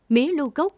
mía lưu gốc